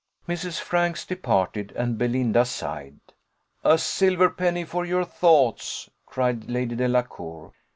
Mrs. Franks departed, and Belinda sighed. "A silver penny for your thoughts!" cried Lady Delacour.